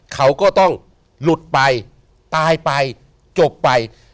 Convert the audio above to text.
เขาก็ต้องหลุดไปตายไปจบไป